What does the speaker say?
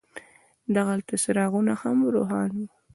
دغلته څراغونه هم روښان وو.